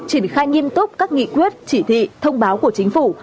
triển khai nghiêm túc các nghị quyết chỉ thị thông báo của chính phủ